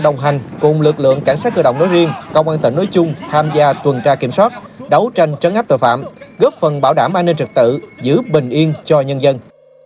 đồng hành cùng lực lượng cảnh sát cơ động nói riêng công an tỉnh nói chung tham gia tuần tra kiểm soát đấu tranh trấn áp tội phạm góp phần bảo đảm an ninh trật tự giữ bình yên cho nhân dân